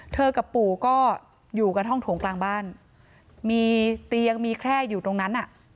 กับปู่ก็อยู่กับห้องโถงกลางบ้านมีเตียงมีแค่อยู่ตรงนั้นอ่ะ